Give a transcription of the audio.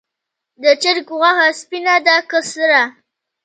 د چرګ غوښه سپینه ده که سره؟